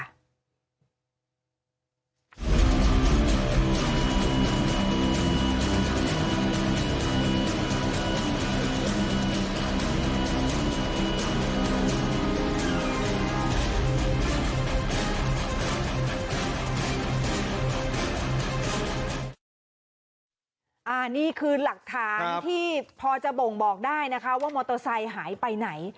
อันนี้คือหลักฐานที่พอจะบ่งบอกได้นะคะว่ามอเตอร์ไซค์หายไปไหน